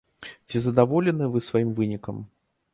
Ці задаволеныя вы сваім вынікам?